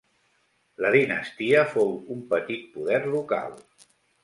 La dinastia fou un petit poder local.